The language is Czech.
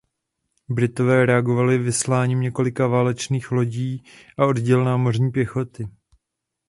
Britové reagovali vysláním několika válečných lodí a oddíl námořní pěchoty.